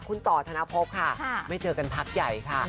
คุณต่อธนภพค่ะไม่เจอกันพักใหญ่ค่ะ